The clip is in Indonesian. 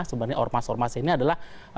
sebenarnya ormas ormas ini adalah